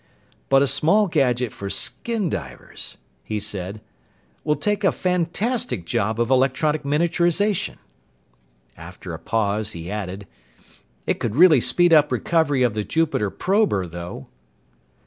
"But a small gadget for skin divers," he said, "will take a fantastic job of electronic miniaturization." After a pause he added, "It could really speed up recovery of the Jupiter prober, though."